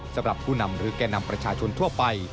สำหรับผู้นำหรือแก่นำประชาชนทั่วไป